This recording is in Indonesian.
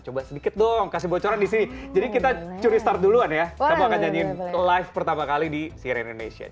coba sedikit dong kasih bocoran di sini jadi kita curi start duluan ya kamu akan nyanyiin live pertama kali di cnn indonesia